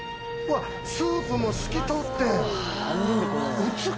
うわスープも透き通って。